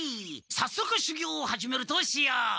さっそくしゅぎょうをはじめるとしよう！